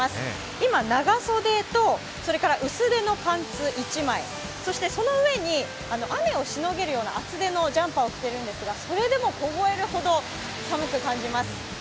今、長袖と薄手のパンツ１枚、その上に雨をしのげるような、厚手のジャンパーを着ているんですがそれでも凍えるほど寒く感じます。